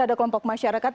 ada kelompok masyarakat